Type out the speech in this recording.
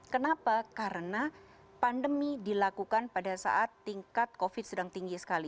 kenapa karena pandemi dilakukan pada saat tingkat covid sedang tinggi sekali